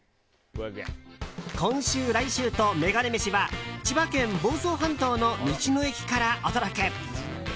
今週、来週とメガネ飯は千葉県房総半島の道の駅からお届け！